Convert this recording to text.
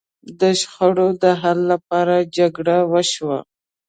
د شخړو د حل لپاره جرګه وشوه.